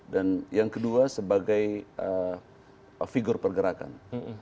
dan yang kedua sebagai figur pergerakan